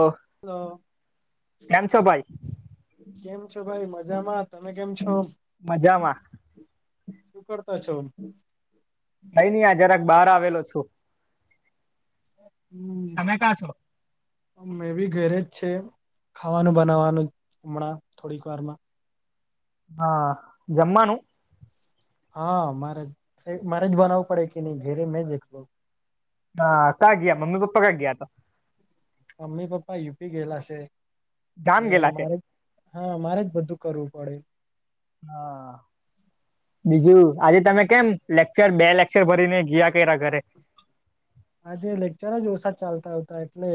ઓ હ. કેમ છો ભાઈ કેમ છો ભાઈ મજામાં તમે કેમ છો? મજામાં. શું કરતા છો? ભાઈ નહી આ જરાક બહાર આવેલો છું. હમ. તમે કા છો મે બી ઘરે જ છે. ખાવાનું બનાવવાનું હમણાં થોડીક વારમાં. હા જમમાનું હા મારે મારે જ બનાવવું પડે કે નહી ઘેરે મેં જ એકલો. હા કા ગયા મ્મી પપ્પા ક્યાં ગયા હતા. મમ્મી પપ્પા યુપી ગયેલા છે ગામ એટલે ગેલા છે મારે. હા મારે જ બધું કરવું પડે. હા. બીજું આજે તમે કેમ લેક્ચર બે લેક્ચર ભરીને ગયા કર ઘરે. આજે લેક્ચર જ ઓછા ચાલતા હતા એટલે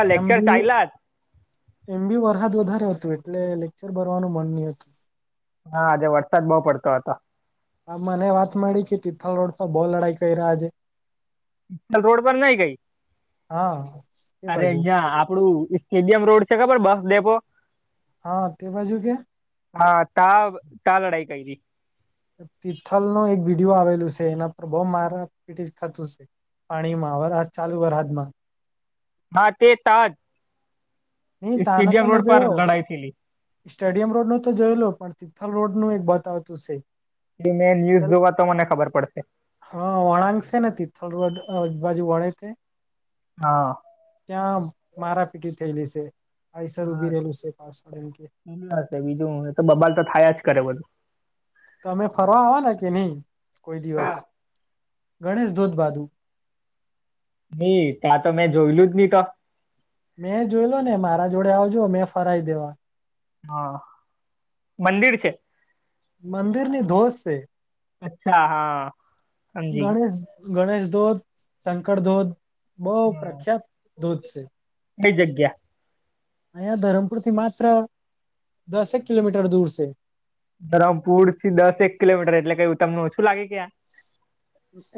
હા એમ લેક્ચર બી ચાલ્યા એમ બી વરહાદ વધારે હતું એટલે લેક્ચર ભરવાનું મન નહ હતું. હા આજે વરસાદ બહુ પડતો હતો. હ મને વાત માડી કે તિથલ રોડ પર બહુ લડાઈ કરહ્યા આજે. રોડ પર નઈ કઈ હા એ અરે બાજુ અહં આપડું. સ્ટેડિયમ રોડ છે. ખબર બસ ડેપો. હા તે બાજુ કે. હા તા તા લડાઈ કરી, તિથલ નો એક વિડીયો આવેલું છે એના પર બહુ માર પી થતું છે. પાણીમાં વ ચાલુ વરહાદ માં હા તે તાજ નહી તાનો તો સ્ટેડિયમ મેં રોડ પર જોયો લડાઈ થેલી. સ્ટેડિયમ રોડ નું તો જોયેલો પણ તિથલ રોડ નું એક બતવતું છે. તે મૈં ન્યુઝ જોવા તો મને ખબર પડશે. હા વળાંંગશે ને તિથલ રોડ બાજુ વળે તે હા ત્યાં મારા પીટી થયેલી છે આઈસર ઉભી રહેલું છે પાસ એટલે હ બીજું તો બબાલ તો થયા જ કરે બધું તમે ફરવા આવવાના કે ની કોઈ દિવસ હા. ગણેશ ધૂધ બાજુ ની ત્યાં તો મેં જોયેલું જ ની તો મેં જોઈલો ને મારા જોડે આવજો મેં ફરાવી દેવા હા મંદિર છેે મંદિરની ધોસ છે અચ્છા હા સમજી ગણેશ ગણેશ ધોધ શંકર ધોધ બઉ ગઈ પ્રખ્યાત ધોધ છે. કઈ જગ્યા અહયા ધરમપુર થી માત્ર દસેક કિલોમીટર દૂર છે. ધરમપુર થી દસ એક કિલોમીટર એટલે કઈ તમને ઓછું લાગે કયાં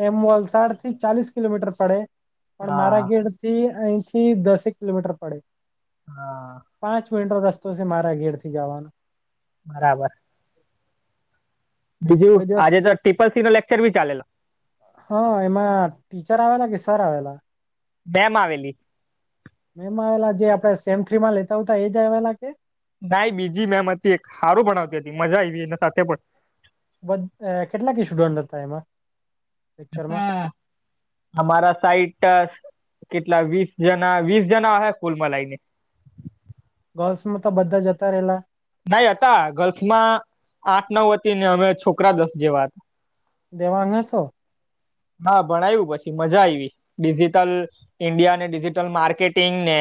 એમ વલસાડ થી ચાલીસ કિલોમીટર પડે પણ મારા હા ઘેડ તે અહીંથી દસેક કિલોમીટર પડે હા પાંચ મિનિટનો રસ્તો છે મારા ઘેર થી જાવાનો બરાબર. બીજું કોઈ દિવસ આજે તો ટીપલ સી નો લેકચર બી ચાલેલો હ એમાં ટીચર આવેલા કે સર આવેલા મેમ આવેલી મેમાં આવેલા જે આપડે સેમ થ્રી માં લેતા હોતા એજ આવેલા કે ના ઈ બીજી મેમ હતી એક હારું ભણાવતી હતી મજા આઈવી એના સાથે પણ ખુબજ અ કેટલા કે સ્ટુડન્ટ હતા એમાં લેક્ચરમાં હતા અમારા સાઈટ કેટલા વીસ જના વીસ જના હે કુલ મલાઈને ગર્લ્સમાં તો બધા જતા રેલા ના ઈ હતા ગર્લ્સમાં આઠ નવ હતી ને અમે છોકરા દસ જેવા હ દેવાન હતો હા ભણાયું પછી મજા આઈવી ડિજિટલ ઇન્ડિયા ને ડિજિટલ માર્કેટિંગ ને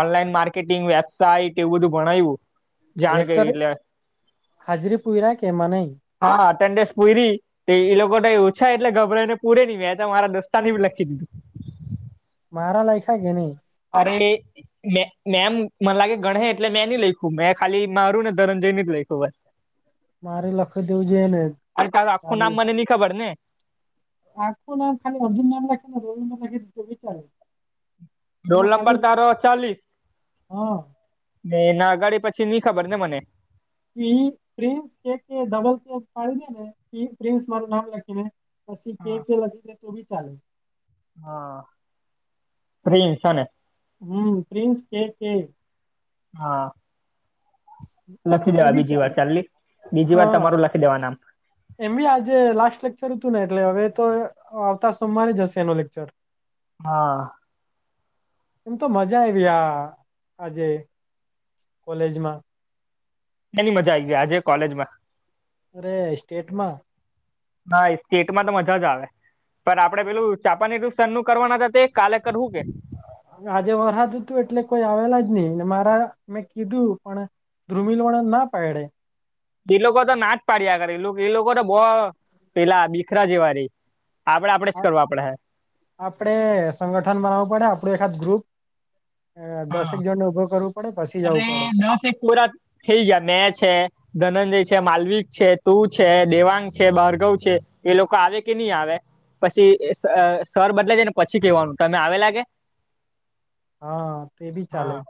ઓનલાઈન માર્કેટિંગ વેબસાઇટ એવું બધું ભણાઈવું લેકચર હાજરી પુરયા કે એમા નઈ હા એટેન્ડેસ પૂરી તે ઈ લોકો ઓછા એટલે ગભરાઈ ને પૂરિ તી મેતો મારા દોસ્તારની ભી લખી દીધી મારા લયખા કેે ની અરે મે મેમ મન લાગ્યું ગણે હે એટલે મેં ની લયખૂ મેં ખાલી મારું ને ધરનજય ની જ લયખુ બ મારે લખી દેવું જોઈ ને તારીસ ખબરને આખું નામ ખાલી અર્જુન નામ લખી દે [unintelligible] રોલ એમાં નંબર ખાલી તારો ચાલીસ હા ને એના અગાડી પછી ની ખબર ને મને પિન પ્રિન્સ કે કે ડબલ શ્લોક ફાડી દે ને ઇ પ્રિન્સ મારું નામ લખીને પછી કે હા કે લખી દે તોબી ચાલે. હા પ્રિન્સ અને હમ્મ પ્રિન્સ કે કે હા લખી એ દેવા બી બીજી ચાલે વાર ચલી બીજી વાર હા તમારું લખી દેવા નામ એમ બી આજે લાસ્ટ લેક્ચર હતું ને એટલે હવે તો આવતા સોમવારે જ હશે એનું લેક્ચર હા એમ તો મજા આઈવી આ આજે કોલેજમાં હેની મજા આયી ગઈ આજે કોલેજમાં અરે સ્ટેટ માં નાએ સ્ટેટમાં તો મજા જ આવે. પર આપડે પેલું છાપાનેરુ સનનું કરવાના હતા તે કાલે કરવું કે. હવે આજે વરહાદ હતું એટલે કોઈ આવેલા જ નહીં, ને મારા મેં કીધું પણ ધ્રુમિલ વાળાન ના પાયડે. એ લોકોતો નાચ પાડ્યા કરેએ એ લોકો તો બો પેલા બીખરા જેવારે. આપડે આપડે જ આ- કરવા આપડે હે. આપડે સંગઠન બનાવવું પડે, આપડું એકાદ ગ્રુપ. એ હે દસેક જણને ઉભો કરવું પડે પછી જવું પડે. નાશિક પોરા ખેલ જયા મેચ હે. ધનંજય છે, માલવીક છે, તું છે, દેવાંગ છે, ભાર્ગવ છે એ લોકો આવે કે ની આવે પછી એ સ સર બદલઈ જાય ને પછી કેવાનું તમે આવે લાગે. હા તેબી ચાલે. હા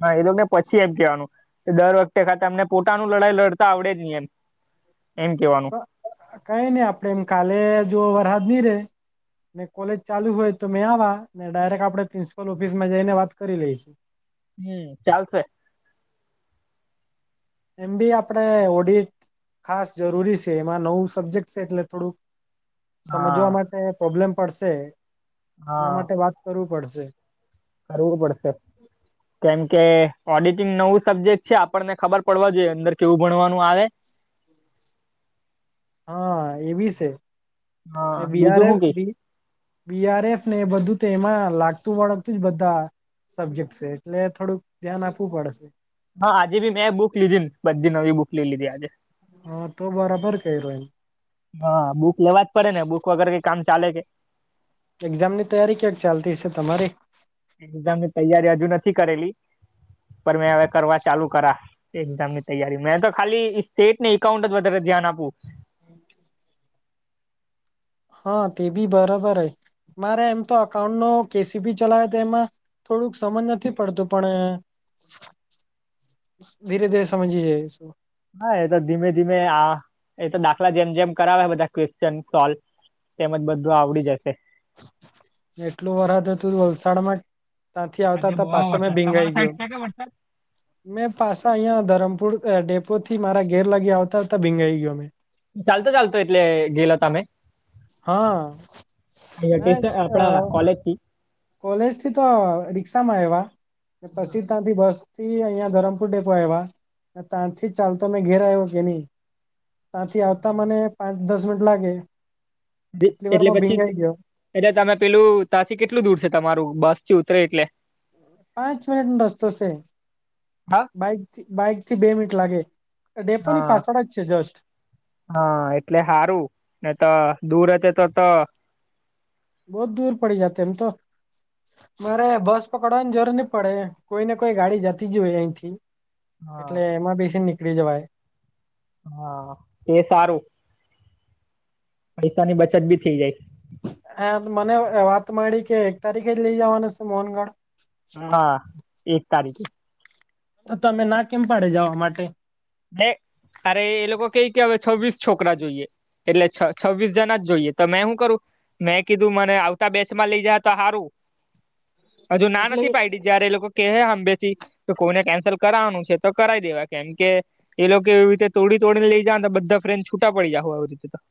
હા એતો મેને પછી એમ કહેવાનું. તે દર વખતે [unintelligible] તમને પોતાનું લડાઈ લડતા આવડે જ નહી એમ એમ કેવાનું. પ- કઈ નહીં આપડે એમ કાલે જો વરહાદ ની રે કોલેજ ચાલુ હોય તોમેં આવા ને ડાયરેક્ટ આપડે પ્રિન્સપલ ઓફિસમાં જઈને વાત કરી લઈશું. હમ ચાલશે. એમ બી આપડે ઓડી ખાસ જરૂરી સે, એમાં નવું સબ્જેક્ટ છે, એટલે થોડું- સમજવા હા માટે પ્રોબ્લેમ પડશે એના હા માટે વાત કરવું પડશે. કરવું પડશે. કેમ કે ઓડિટિંગ નવું સબ્જેક્ટ છે, આપણને ખબર પડવા જોઈએ અંદર કેવું ભણવાનું આવે. હા એબી છે, હા ને બીજું બીહારે શું કે બી બીઆર એફ ને એ બધું તો એમાં લાગતું વળગતું જ બધા સબ્જેક્ટ છે, એટલે થોડુંક ધ્યાન આપવું પડશે. હા આજે ભીમેં બુક લીધી ન બધી નવી બુક લઈ લીધી આજે. હા તો બરાબર કર્યો એમ. હા બુક લેવા જ પડેને બુક વગર કંઈ કામ ચાલેકે. એક્ઝામ ની તૈયારી ક્યાંક ચાલતી છે, તમારી? એક્ઝામની તૈયારી હજુ નથી કરેલી પણ મેં હવે કરવા ચાલુ કરા. એક્ઝામની તૈયારી મેં તો ખાલી સ્ટેટ ને એકાઉન્ટ જ વધારે ધ્યાન આપવું. હા તેબી બરાબર જ. મારે એમ તો અકાઉન્ટ નો કેસીપી ચલાવે તે એમાં થોડુંક સમજ નથી પડતું પણ ધીરેધીરે સમજી જાઈશુ. હા એતો ધીમે ધીમે આ એતો દાખલા જેમ જેમ કરાવે બધા ક્વેશ્ચન સોલ્વ. તેમજ બધું આવડી જશે. એટલું વરહાદ હતું વલસાડમાંજ ત્યાંથી આવતા આજે તા, બહુ પાછો મે વરસાદ ભીંગાઈ તમારા સાઈડ ગ્યો. છે કે વરસાદ મેં પાછા અહિયાં ધરમપુર અ ડેપોથી મારા ઘેર લાગી આવતા તા ભીંજાઈ ગ્યો મેં. ચાલતો ચાલતો એટલે ગેલો તમે? હા એ સ્પેસ ના આપડા કોલેજથી કોલેજ થીતો રિક્ષામાં આય્વા ને પછી ત્યાંથી બસ થી અહિયાં ધરમપુર ડેપો આય્વા, ન તાંથી ચાલતો મે ઘેર આવ્યો કે નહીં. ત્યાંથી આવતા મને પાંચ દસ મિનિટ લાગે એટલી એટલે વારમા પછી ભીંજાઈ ગ્યો. એટલે તમે પેલું ત્યાંથી કેટલું દૂર છે, તમારું બસ થી ઉતરે એટલે. પાંચ મિનિટનો રસ્તો શે, હા બાઈકથી બાઈકથી બે મિનિટ લાગે ડેપોની હા પાછળ જ છે, જસ્ટ હા એટલે હારું નેતો દૂર હાતે તો તો, બહુત દૂર પડી જાતે એમ તો, મારે બસ પકડવાની જરૂર ની પડે કોઈ ને કોઈ ગાડી જતી જ હોય અહીંથી, હા એટલે એમાં બેસીને નીકળી જવાય, હા એ સારું પૈસા ની બચત બી થઈ જાય હા મને વાત મળી કે એક તારીખે જ લઇ જવાનું છે મોહનગઢ હા એક તારીખે તો તમે ના કેમ પાડે જવા માટે એ અરે એ લોકો કઈ કે હવે છવ્વીસ છોકરા જોઈએ એટલે છ છવ્વીસ જણા જ જોઈએ તો મેં હુ કરું મેં કીધું મને આવતા બેચમાં લઈ જાહે તો હારું [inaudible] હજુ ના નથી પાડીઈ જયારે એ લોકો કેહે હમીથી કે કોઈને કેન્સલ કરવાનું છે તો કરાવી દેવા કેમ કે એ લોકો એવી રીતે તોડી તોડીને લઈ જવા નાં તો બધા ફ્રેન્ડ છૂટા પડી જહુ આવી રીતે તો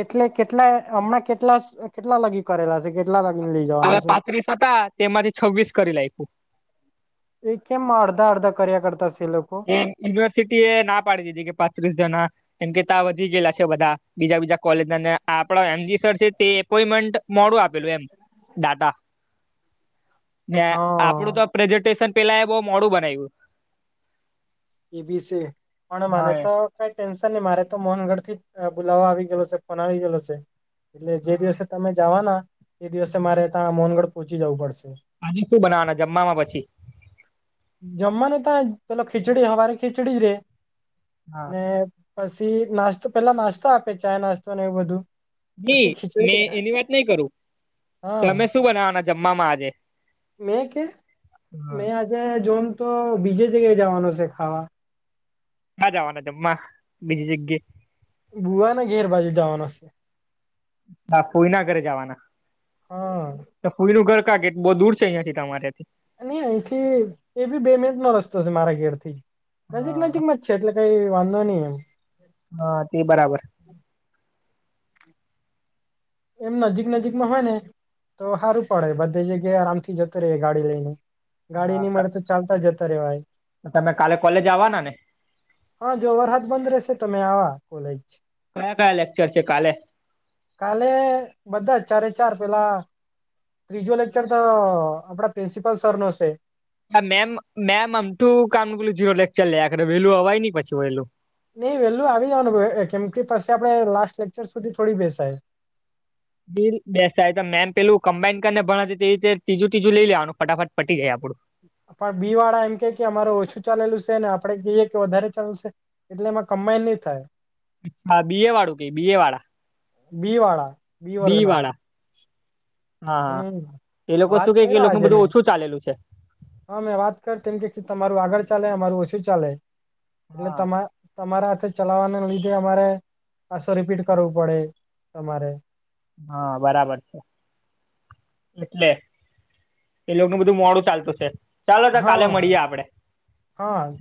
એટલે કેટલા હમણાં કેટલાશ કેટલા લગીન કરેલા છે કેટલા લગીને લઇ જવાના છે ત્રીસ હતા તેમા થી છવ્વીસ કરી લાઈખુયું એ કેમ અડધા અડધા કર્યા કરતા શે એ લોકો યુનિવર્સિટી એ ના પાડી દીધી કે પાંત્રીસ જણા કેમ કે ત્યા વધી ગયેલા છે બધા બીજા બીજા કોલેજ નાને આપડ એમજી સર છે તે એપોઈન્ટમેન્ટ મોડું આપેલું એમ ડાટા ને આપડું હા તો પ્રેઝન્ટેશન પેલા એ બો મોડું બનાવ્યું એબી શે પણ મને હા તો કઈ ટેન્શન નહી મારે તો મોહનગઢ થી બુલાવો આવી ગેલો છે ફોન આવી ગેલો શે એટલે જે દિવસે તમે જવાના એ દિવસે મારે ત્યાં મોહનગઢ પોહંચી જવું પડશે આજે શું બનાવાના જમવામાં પછી જમવાનું ત્યાજ પેલો ખીચડી હવારે ખીચડી રે હા ને પસી નાસ્તો પેલા નાસ્તો આપે ચા નાસ્તોને એવું બધું ની પછી મેં ખીચડી એની વાત નહી કરું હા તમે શું બનાવાના જમવામાં આજે મેં કે હા મેં આજે જોમ તો બીજે જગ્યાએ જવાનો શે ખાવા કા જવાનો જમવા બીજી જગયે બુવાને ઘેર બાજુ જવાનો શે હા ફોઈના ઘરે જવાના હા તો ફૂઈનું ઘર કા કેટ બો દૂર છે અહિયાંથી તમારે અને અહીંથી એ બી બે મિનિટ નો રસ્તો છે મારા ઘેર થી નજીક હા નજીકમાં છે એટલે કઈ વાંધો નહી એમ હા તે બરાબર એમ નજીક નજીકમાં હોય ને તો હારું પડે બધી જગ્યાએ આરામ થી જતો રહે ગાડી લઈને ગાડી નહી મળે તો ચાલતા જતા રેવાય તો તમે કાલે કોલેજ આવવાના ને હા જો વરહદ બંધ રહેશે તમે આવા કોલેજ. કયા કયા લેક્ચર છે કલે? એટ બધા ચારે ચાર પેલા ત્રીજો લેક્ચર તો આપણા પ્રિન્સિપલ સર નો હશે. હા મેમ મેમ આમું કામ નનું પેલું જીરો લેક્ચર લે આખરે વેલું અવાય ન પછી વેલું. નઈ વેલું આવી જવાનું કેમ કે પછી આપડે લાસ્ટ લેકચર સુધી થોડી બેસાય. બીલ બેસાય તો મેમ પેલું કમ્બાઈન ને ભણ હતી તેવી રીતે ત્રીજું તીજું લઈ લેવાનું ફટાફટ પટી જાય આપડું. પણ બી વાળા એમ કે કે અમાર ઓછું ચાલેલું છે ને આપડે કહીએ કે વધારે ચાલુ છે. એટલે એમાં કમ્બાઈન નહી થાય. અછા બહે વાળું ક બહે વાળા. બીવાળડા બી વર્ગના. હા, હમ એ લોકો વાત શું કે કે એ કર્યો લોકોનું આજે બધું મેં ઓછું ચાલેલું છે? હા મેં વાત કર તેમ કે તમારું આગળ ચાલે અમારું ઓશુ ચાલે, એટલે હા તમા તમારા હાથે ચલાવાના લીધે અમારે પાસો રીપીટ કરવું પડે તમારે. હા બરાબર છે. એટલે એ લોકોનું બધું મોડું ચાલતું છે, ચાલો તો કાલે હા મળીએ આપડે. હા.